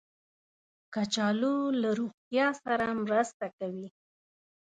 کچالو له روغتیا سره مرسته کوي